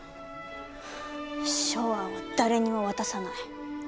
ショウアンは誰にも渡さない！